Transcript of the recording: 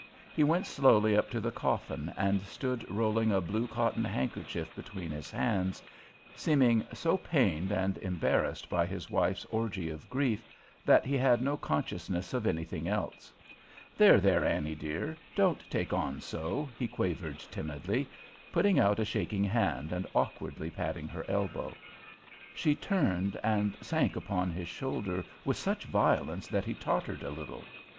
He went slowly up to the coffin and stood rolling a blue cotton handkerchief between his hands, seeming so pained and embarrassed by his wife's orgy of grief that he had no consciousness of anything else. "There, there, Annie, dear, don't take on so," he quavered timidly, putting out a shaking hand and awkwardly patting her elbow. She turned and sank upon his shoulder with such violence that he tottered a little.